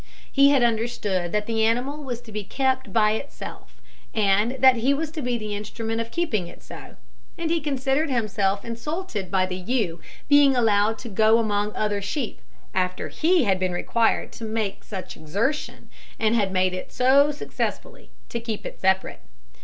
He had understood that the animal was to be kept by itself, and that he was to be the instrument of keeping it so, and he considered himself insulted by the ewe being allowed to go among other sheep, after he had been required to make such exertion, and had made it so successfully, to keep it separate.